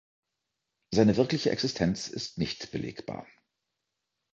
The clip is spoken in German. Seine wirkliche Existenz ist nicht belegbar.